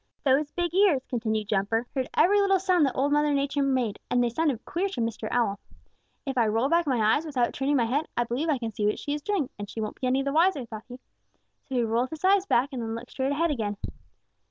"Those, big ears," continued Jumper, "heard every little sound that Old Mother Nature made, and they sounded queer to Mr. Owl. 'If I roll back my eyes without turning my head, I believe I can see what she is doing, and she won't be any the wiser,' thought he. So he rolled his eyes back and then looked straight ahead again.